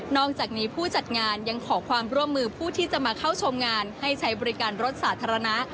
อกจากนี้ผู้จัดงานยังขอความร่วมมือผู้ที่จะมาเข้าชมงานให้ใช้บริการรถสาธารณะ